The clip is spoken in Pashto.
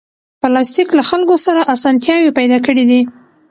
پلاستيک له خلکو سره اسانتیاوې پیدا کړې دي.